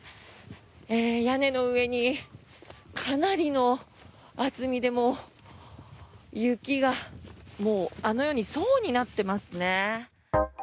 屋根の上にかなりの厚みで雪がもう、あのように層になっていますね。